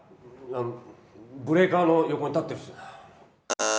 あのブレーカーの横に立ってる人だよ。